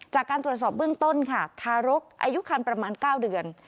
จากการตรวจสอบเบื้องต้นค่ะทารกอายุคันประมาณ๙เดือน